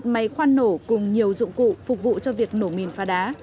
máy khoan nổ cùng nhiều dụng cụ phục vụ cho việc nổ mìn pha đá